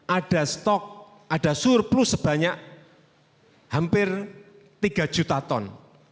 ada stok ada surplus sebanyak hampir tiga juta ton